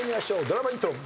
ドラマイントロ。